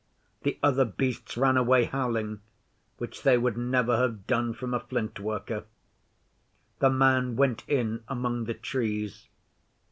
The other Beasts ran away howling, which they would never have done from a Flint worker. The man went in among the Trees.